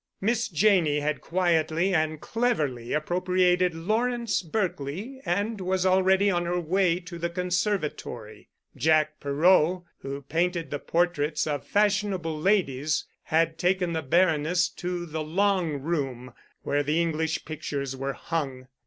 Miss Janney had quietly and cleverly appropriated Lawrence Berkely and was already on her way to the conservatory. Jack Perot, who painted the portraits of fashionable ladies, had taken the Baroness to the Long Room, where the English pictures were hung.